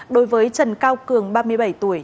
đối với trần cao cường ba mươi bảy tuổi